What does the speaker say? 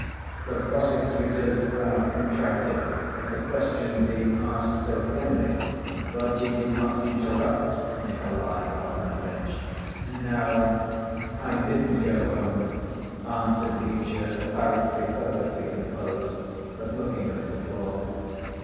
The prosecutor's brows contracted at the question being asked so plainly, but he did not interrupt Nikolay Parfenovitch. "No, I didn't go home," answered Mitya, apparently perfectly composed, but looking at the floor.